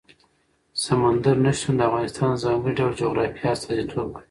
سمندر نه شتون د افغانستان د ځانګړي ډول جغرافیه استازیتوب کوي.